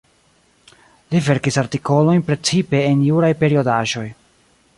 Li verkis artikolojn precipe en juraj periodaĵoj.